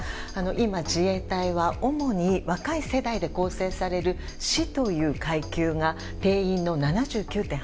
今、自衛隊は主に若い世代で構成される「士」という階級が定員の７９．８％。